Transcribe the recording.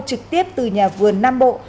trực tiếp từ nhà vườn nam bộ